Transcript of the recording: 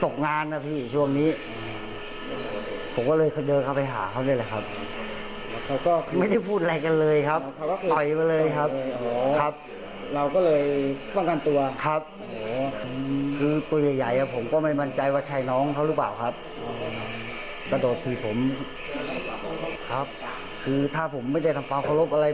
กระโดดถือผมครับคือถ้าผมไม่ได้ทำฟังขอบครบอะไร